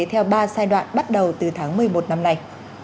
theo ba giai đoạn bắt đầu từ tháng một mươi một năm nay